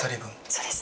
そうです。